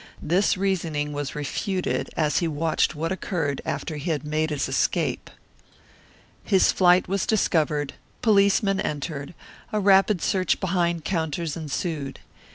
This reasoning was refuted as he watched what occurred after he had made his escape. His flight was discovered, policemen entered, a rapid search behind counters ensued.